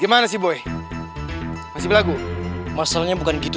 gimana sih boy masih berlaku masalahnya bukan gitu